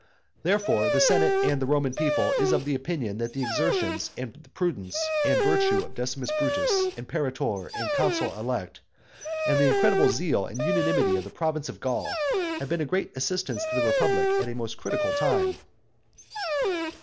Therefore, the senate and the Roman people is of opinion that the exertions, and prudence, and virtue of Decimus Brutus, imperator and consul elect, and the incredible zeal and unanimity of the province of Gaul, have been a great assistance to the republic, at a most critical time."